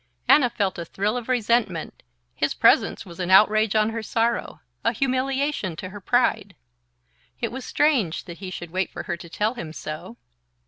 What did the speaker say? Anna felt a thrill of resentment: his presence was an outrage on her sorrow, a humiliation to her pride. It was strange that he should wait for her to tell him so!